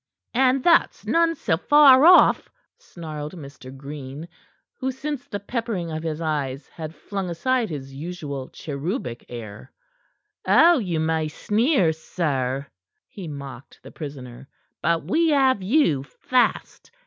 "And that's none so far off," snarled Mr. Green, who since the peppering of his eyes, had flung aside his usual cherubic air. "Oh, you may sneer, sir," he mocked the prisoner. "But we have you fast.